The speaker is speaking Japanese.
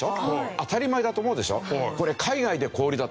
当たり前だと思うでしょ？